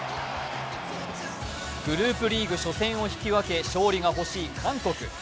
グループリーグ初戦を引き分け勝利が欲しい韓国。